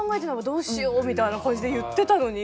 「どうしよう」みたいな感じで言ってたのに。